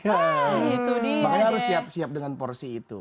makanya harus siap siap dengan porsi itu